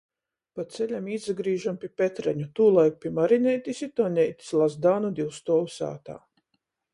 Pa ceļam īsagrīžam pi Petreņu, tūlaik — pi Marineitis i Toneitis Lazdānu divstuovu sātā.